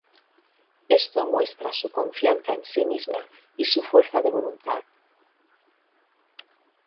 Esto muestra su confianza en sí misma y su fuerza de voluntad.